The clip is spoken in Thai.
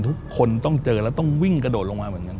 ทุกคนต้องเจอแล้วต้องวิ่งกระโดดลงมาเหมือนกัน